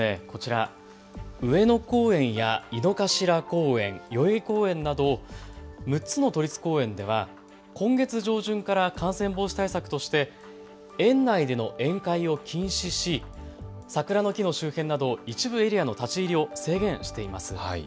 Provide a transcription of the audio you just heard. こちら、上野公園や井の頭公園、代々木公園など６つの都立公園では今月上旬から感染防止対策として園内での宴会を禁止し桜の木の周辺など一部エリアの立ち入りを制限しています。